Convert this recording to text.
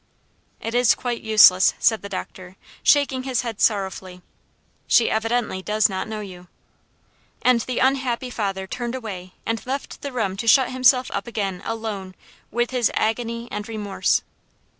"It is quite useless," said the doctor, shaking his head sorrowfully; "she evidently does not know you." And the unhappy father turned away and left the room to shut himself up again alone with his agony and remorse.